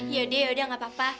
yaudah yaudah gak apa apa